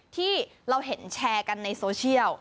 ที่เราเห็นแชร์กันในโซเชียล